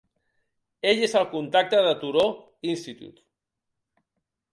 Ell és el contacte de Thoreau Institute.